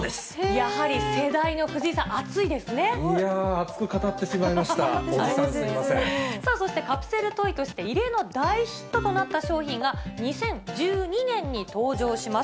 やはり世代の藤井さん、いやー、熱く語ってしまいまそしてカプセルトイとして異例の大ヒットとなった商品が、２０１２年に登場します。